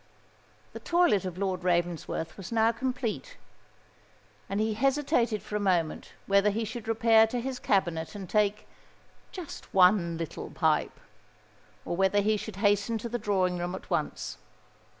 The toilet of Lord Ravensworth was now complete; and he hesitated for a moment whether he should repair to his cabinet and take "just one little pipe," or whether he should hasten to the drawing room at once.